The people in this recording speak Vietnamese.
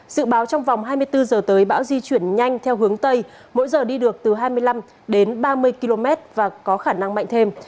dự báo trong vòng hai mươi bốn giờ tới bão di chuyển nhanh theo hướng tây mỗi giờ đi được từ hai mươi năm đến ba mươi km và có khả năng mạnh thêm